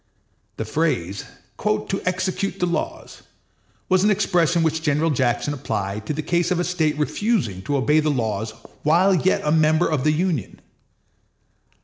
The phrase "to execute the laws" was an expression which General Jackson applied to the case of a State refusing to obey the laws while yet a member of the Union.